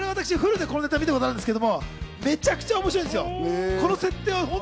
私、フルでこのネタを見たことあるんですけど、めちゃくちゃ面白いんです。